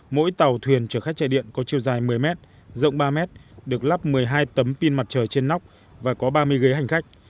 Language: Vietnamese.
mỗi tàu thuyền chở khách chạy điện có chiều dài một mươi mét rộng ba mét được lắp một mươi hai tấm pin mặt trời trên nóc và có ba mươi ghế hành khách